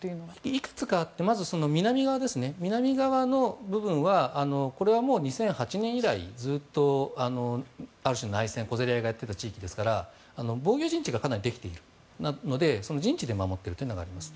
いくつかあって南側の部分は２００８年以来ずっと、ある種の内戦小競り合いをやっていた地域ですから防御陣地がかなりできているのでその陣地で守っているというのがあります。